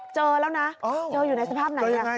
เจอแล้วนะเจออยู่ในสภาพหนังนี้